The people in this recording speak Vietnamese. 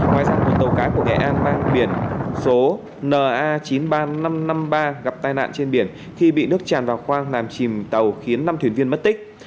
ngoài ra tàu cá của nghệ an biển số na chín mươi ba nghìn năm trăm năm mươi ba gặp tai nạn trên biển khi bị nước tràn vào khoang làm chìm tàu khiến năm thuyền viên mất tích